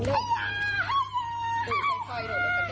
เป็นไง